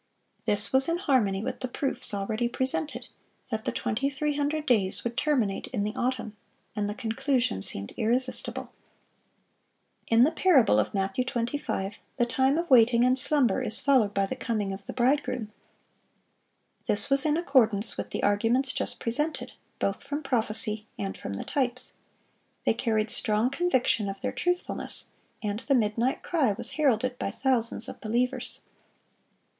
This was in harmony with the proofs already presented, that the 2300 days would terminate in the autumn, and the conclusion seemed irresistible. In the parable of Matthew 25 the time of waiting and slumber is followed by the coming of the bridegroom. This was in accordance with the arguments just presented, both from prophecy and from the types. They carried strong conviction of their truthfulness; and the "midnight cry" was heralded by thousands of believers.